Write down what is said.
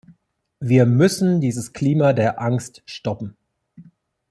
Wir müssen dieses Klima der Angst stoppen.